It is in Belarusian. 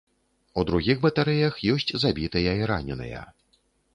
У другіх батарэях ёсць забітыя і раненыя.